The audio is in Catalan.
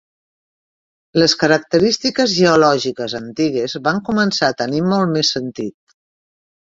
Les característiques geològiques antigues van començar a tenir molt més sentit.